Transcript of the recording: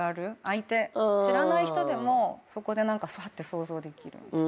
知らない人でもそこでふわって想像できる。